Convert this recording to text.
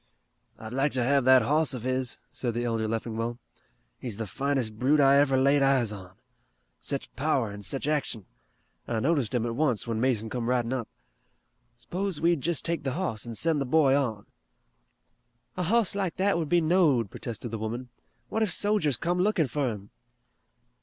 "I'd like to have that hoss of his," said the elder Leffingwell. "He's the finest brute I ever laid eyes on. Sech power an' sech action. I noticed him at once, when Mason come ridin' up. S'pose we jest take the hoss and send the boy on." "A hoss like that would be knowed," protested the woman. "What if sojers come lookin' fur him!"